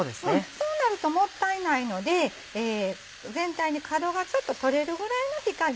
そうなるともったいないので全体に角がちょっと取れるぐらいの火加減。